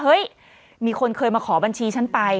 เฮ้ยมีคนเคยมาขอบัญชีฉันไป